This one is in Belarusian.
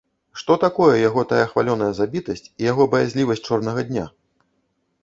Што такое яго тая хвалёная забітасць і яго баязлівасць чорнага дня?